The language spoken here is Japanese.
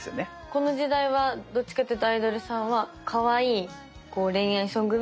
この時代はどっちかっていうとアイドルさんはかわいいこう恋愛ソングが多かったんですかね？